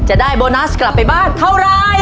จะได้โบนัสกลับไปบ้านเท่าไร